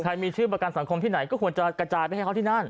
มีชื่อประกันสังคมที่ไหนก็ควรจะกระจายไปให้เขาที่นั่น